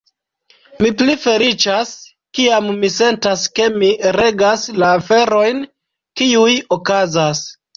Mi pli feliĉas, kiam mi sentas ke mi regas la aferojn, kiuj okazas.